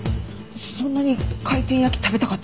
そんなに回転焼き食べたかった？